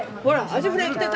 アジフライ来た。